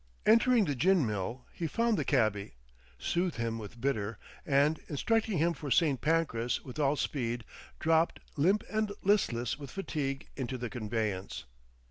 Entering the gin mill he found the cabby, soothed him with bitter, and, instructing him for St. Pancras with all speed, dropped, limp and listless with fatigue, into the conveyance.